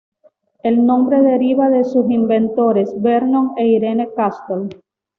El nombre deriva de sus inventores Vernon e Irene Castle.